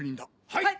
はい！